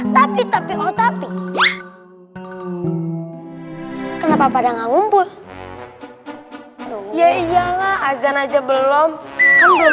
tapi tapi oh tapi kenapa pada ngumpul ya iyalah aja aja belum